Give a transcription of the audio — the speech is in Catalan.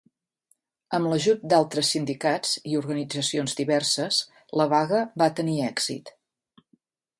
Amb l'ajut d'altres sindicats i organitzacions diverses, la vaga va tenir èxit.